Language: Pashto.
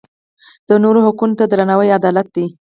د نورو حقونو ته درناوی عدالت دی.